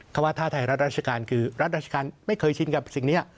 เขาว่าถ้าไทยรัฐราชการคือรัฐราชการไม่เคยชินกับสิ่งนี้